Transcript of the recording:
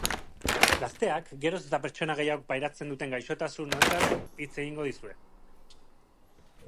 Gazteak, geroz eta pertsona gehiagok pairatzen duten gaixotasun honetaz hitz egingo dizue.